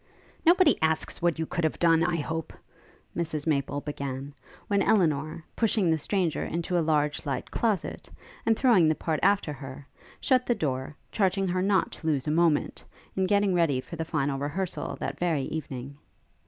'Nobody asks what you could have done, I hope!' Mrs Maple began, when Elinor, pushing the stranger into a large light closet, and throwing the part after her, shut the door, charging her not to lose a moment, in getting ready for the final rehearsal that very evening.